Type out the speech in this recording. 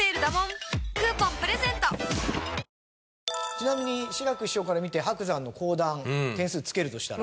ちなみに志らく師匠から見て伯山の講談点数つけるとしたら？